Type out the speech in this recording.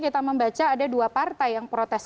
kita membaca ada dua partai yang protes